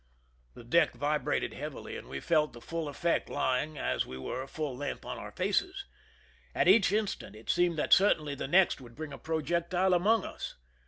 \ The de(3k vibrated heavily, and we felt the full ; effect, lying, as we were, full length on our faces. ' At each instant it seemed that certainly the next would bring a projectile among us.